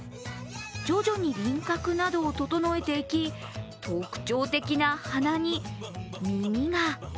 徐々に輪郭などを整えていき特徴的な鼻に、耳が。